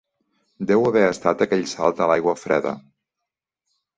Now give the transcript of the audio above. Deu haver estat aquell salt a l'aigua freda.